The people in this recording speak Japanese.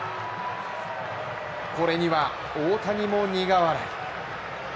これには大谷も苦笑い。